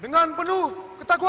dengan penuh ketakuan